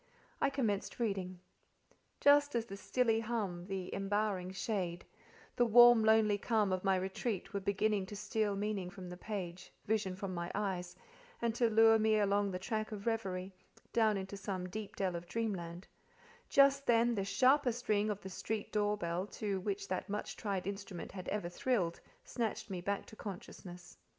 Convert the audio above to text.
I commenced reading. Just as the stilly hum, the embowering shade, the warm, lonely calm of my retreat were beginning to steal meaning from the page, vision from my eyes, and to lure me along the track of reverie, down into some deep dell of dreamland—just then, the sharpest ring of the street door bell to which that much tried instrument had ever thrilled, snatched me back to consciousness.